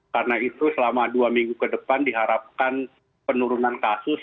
karena itu selama dua minggu ke depan diharapkan penurunan kasus